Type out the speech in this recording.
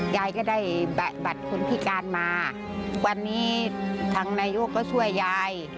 ยายก็ได้บัตรคนพิการมาวันนี้ทางนายกก็ช่วยยาย